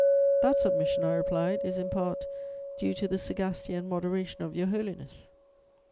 "'That submission,' I replied, 'is, in part, due to the sagacity and moderation of Your Holiness.'